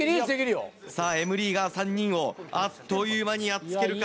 さあＭリーガー３人をあっという間にやっつけるか？